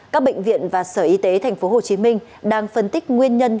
các bệnh viện và sở y tế tp hcm đang phân tích nguyên nhân